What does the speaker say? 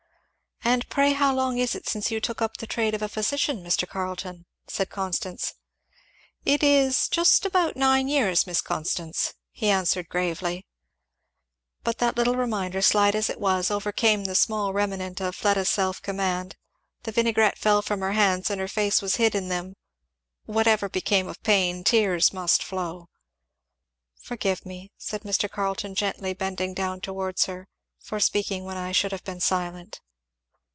"And pray how long is it since you took up the trade of a physician, Mr. Carleton?" said Constance. "It is just about nine years, Miss Constance," he answered gravely. But that little reminder, slight as it was, overcame the small remnant of Fleda's self command; the vinaigrette fell from her hands and her face was hid in them; whatever became of pain, tears must flow. "Forgive me," said Mr. Carleton gently, bending down towards her, "for speaking when I should have been silent.